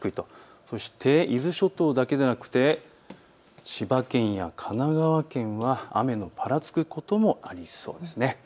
伊豆諸島だけではなく千葉県や神奈川県雨がぱらつくことがありそうです。